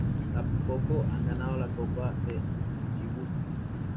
Tampoco han ganado la Copa de Yibuti.